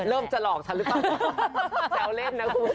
เริ่มจะหลอกฉันหรือเปล่าแซวเล่นนะคุณ